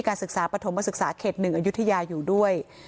การศึกษาประถมมาศึกษาเขต๑อยุธยาอยู่ด้วย